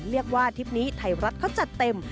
เรียกว่าทริปนี้ไทยรัฐเขาจัดเต็ม